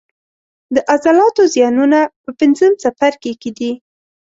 د عضلاتو زیانونه په پنځم څپرکي کې دي.